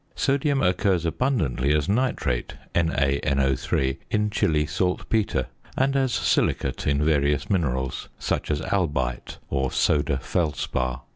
Sodium occurs abundantly as nitrate (NaNO_) in Chili saltpetre, and as silicate in various minerals, such as albite (or soda felspar).